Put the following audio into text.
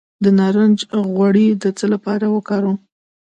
د نارنج غوړي د څه لپاره وکاروم؟